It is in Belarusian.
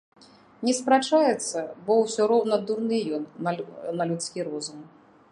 Не спрачаецца, бо ўсё роўна дурны ён на людскі розум.